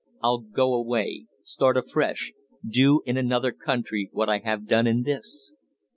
I'll go away, start afresh; do in another country what I have done in this."